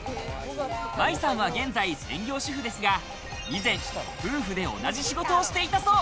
五月さんは現在専業主婦ですが、以前、夫婦で同じ仕事をしていたそう。